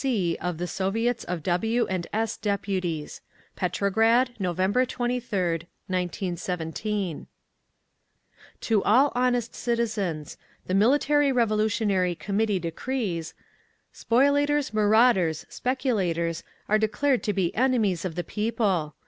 C. of the Soviets of W. & S. Deputies._ Petrograd, Nov. 23d, 1917. To All Honest Citizens The Military Revolutionary Committee Decrees: Spoliators, marauders, speculators, are declared to be enemies of the People….